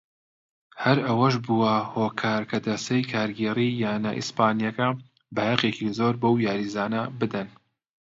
هەر ئەوەش بووە هۆکار کە دەستەی کارگێڕیی یانە ئیسپانییەکە بایەخێکی زۆر بەو یاریزانە بدەن.